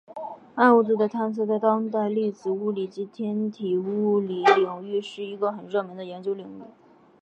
暗物质的探测在当代粒子物理及天体物理领域是一个很热门的研究领域。